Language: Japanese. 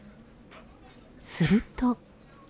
すると。